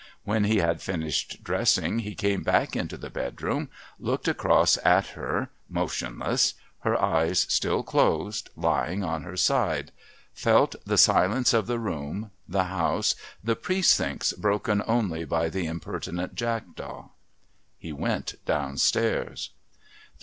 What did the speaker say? When he had finished dressing he came back into the bedroom, looked across at her, motionless, her eyes still closed, lying on her side, felt the silence of the room, the house, the Precincts broken only by the impertinent jackdaw. He went downstairs.